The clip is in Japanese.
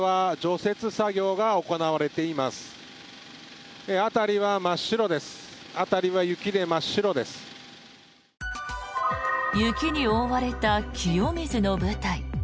雪に覆われた清水の舞台。